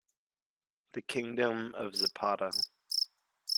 "The Kingdom of Zapata".